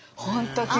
本当